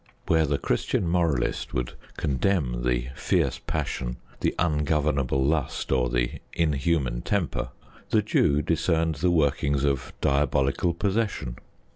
Where the Christian moralist would condemn the fierce passion, the ungovernable lust, or the inhuman temper, the Jew discerned the workings of diabolical possession.